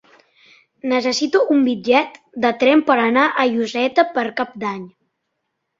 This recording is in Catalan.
Necessito un bitllet de tren per anar a Lloseta per Cap d'Any.